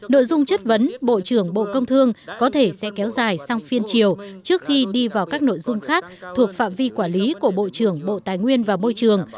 nội dung chất vấn bộ trưởng bộ công thương có thể sẽ kéo dài sang phiên chiều trước khi đi vào các nội dung khác thuộc phạm vi quản lý của bộ trưởng bộ tài nguyên và môi trường